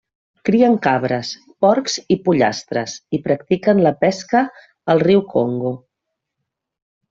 Crien cabres, porcs i pollastres i practiquen la pesca al riu Congo.